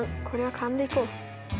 これは勘でいこう。